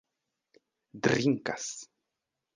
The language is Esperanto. drinkas